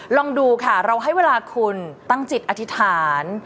ลองดูค่ะเราให้เวลาคุณตั้งจิตอธิษฐาน